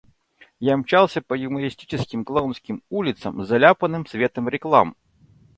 Я мчался по юмористическим, клоунским улицам, заляпанным светом реклам.